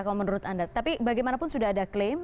kalau menurut anda tapi bagaimanapun sudah ada klaim